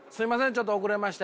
ちょっと遅れまして。